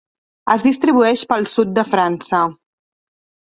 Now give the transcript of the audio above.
Es distribueix pel sud de França.